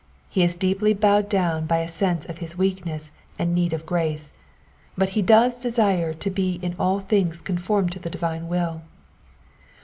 He is deeply bowed down by a sense of his weakness and need of grace ; but he does desire to be in all things conformed to the divine will.